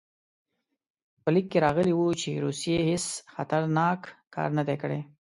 په لیک کې راغلي وو چې روسیې هېڅ خطرناک کار نه دی کړی.